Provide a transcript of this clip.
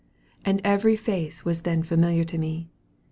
And every face was then familiar to me.